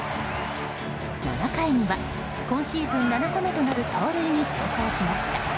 ７回には今シーズン７個目となる盗塁に成功しました。